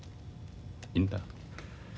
いいんだ。